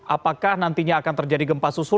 apakah nantinya akan terjadi gempa susul